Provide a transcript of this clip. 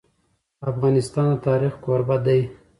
افغانستان د تاریخ کوربه دی.